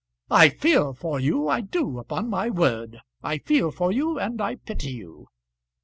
I feel for you, I do upon my word. I feel for you, and I pity you."